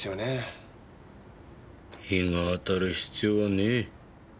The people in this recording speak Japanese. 日が当たる必要はねえ。